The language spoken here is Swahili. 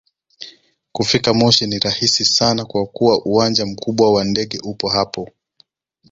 Kufika moshi ni rahisi sana kwa kuwa uwanja mkubwa wa ndege upo hapo